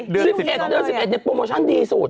เดือน๑๑นี่โปรโมชั่นดีสุด